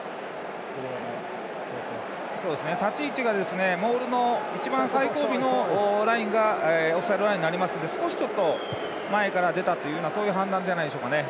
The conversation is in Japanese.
立ち位置がモールの一番最後尾のラインがオフサイドラインになりますので少し前から出たという判断じゃないですかね。